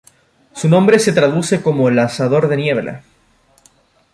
Su nombre se traduce como lanzador de niebla.